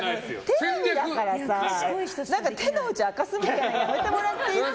テレビだからさ手の内明かすみたいなのやめてもらっていいですか。